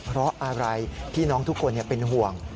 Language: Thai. เพราะอะไรที่น้องทุกคนเป็นห่วง